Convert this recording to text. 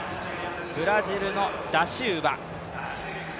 ブラジルのダシウバ。